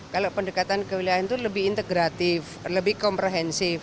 kalau pendekatan kewilayahan itu lebih integratif lebih komprehensif